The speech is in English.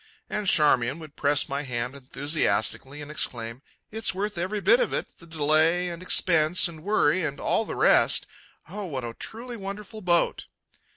And Charmian would press my hand enthusiastically and exclaim: "It's worth every bit of it—the delay, and expense, and worry, and all the rest. Oh, what a truly wonderful boat!"